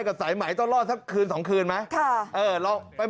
กับสายไหมต้อนรอดสักคืนสองคืนไหม